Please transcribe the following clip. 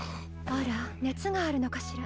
あら熱があるのかしら？